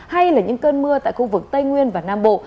hay là những cơn mưa tại khu vực tây nguyên và nam bộ